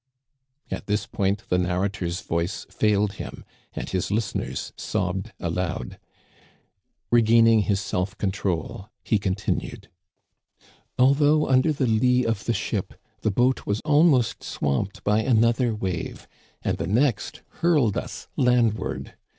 At this point the narrator's voice failed him, and his listeners sobbed aloud. Regaining his self control, he continued :" Although under the lee of the ship, the boat was almost swamped by another wave ; and the next hurled us landward.